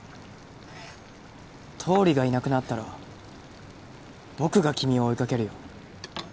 倒理がいなくなったら僕が君を追いかけるよ。